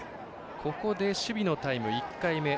ここで守備のタイム１回目。